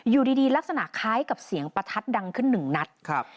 อยู่ดีดีลักษณะคล้ายกับเสียงประทัดดังขึ้นหนึ่งนัดครับ